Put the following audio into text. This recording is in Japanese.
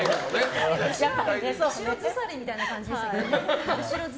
後ろずさりみたいな感じでしたけど。